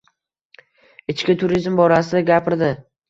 Ichki turizm borasida gapirdi.